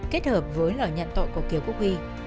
kết hợp với lời nhận tội của kiều quốc huy